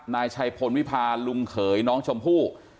นายชัยพลวิพาลุงเขยน้องชมพู่